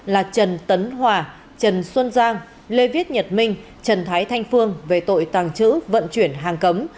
là trần tấn hòa trần xuân giang lê viết nhật minh trần thái thanh phương về tội tàng trữ vận chuyển hàng cấm